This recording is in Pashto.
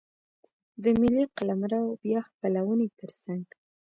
د ملي قلمرو بیا خپلونې ترڅنګ.